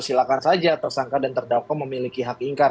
silakan saja tersangka dan terdakwa memiliki hak ingkar